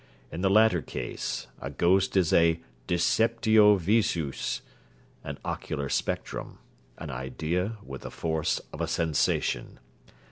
In the latter case, a ghost is a deceptio visûs, an ocular spectrum, an idea with the force of a sensation.